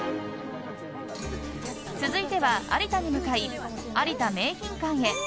続いては有田に向かい有田銘品館へ。